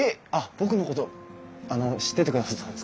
僕のこと知っててくださったんですか？